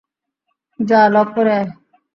যা, লক করে আয়!